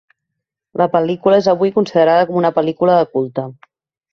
La pel·lícula és avui considerada com una pel·lícula de culte.